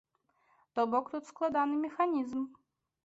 То бок тут складаны механізм.